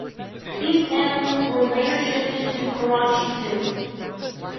These animals were later shifted to Karachi Zoo.